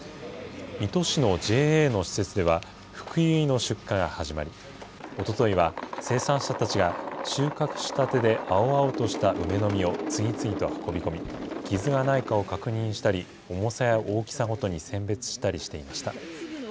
水戸市のＪＡの施設では、ふくゆいの出荷が始まり、おとといは生産者たちが収穫したてで青々とした梅の実を、次々と運び込み、傷がないかを確認したり、重さや大きさごとに選別したりしていました。